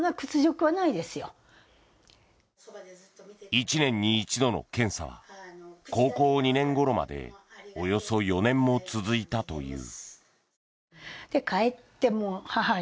１年に一度の検査は高校２年ごろまでおよそ４年も続いたという。